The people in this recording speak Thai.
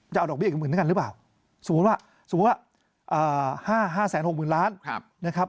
จะเอาดอกเบี้ยกับอื่นรึเปล่าสมมุติว่า๕๖๐๐๐๐ล้านนะครับ